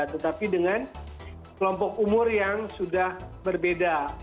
tetapi dengan kelompok umur yang sudah berbeda